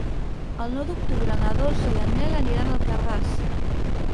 El nou d'octubre na Dolça i en Nel aniran a Alcarràs.